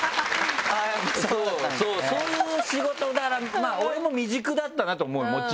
そうそういう仕事だから俺も未熟だったなと思うのもちろん。